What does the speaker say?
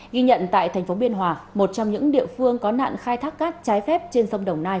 ghi nhận tại thành phố biên hòa một trong những địa phương có nạn khai thác cát trái phép trên sông đồng nai